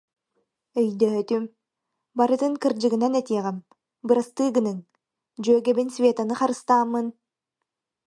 Өйдөөтүм, барытын кырдьыгынан этиэҕим, бырастыы гыныҥ, дьүөгэбин Светаны харыстааммын